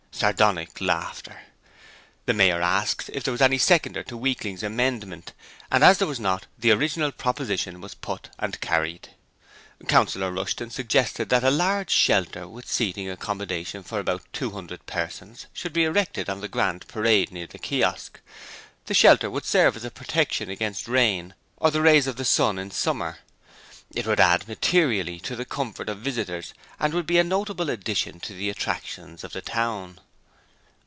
(Sardonic laughter.) The Mayor asked if there was any seconder to Weakling's amendment, and as there was not the original proposition was put and carried. Councillor Rushton suggested that a large shelter with seating accommodation for about two hundred persons should be erected on the Grand Parade near the Kiosk. The shelter would serve as a protection against rain, or the rays of the sun in summer. It would add materially to the comfort of visitors and would be a notable addition to the attractions of the town.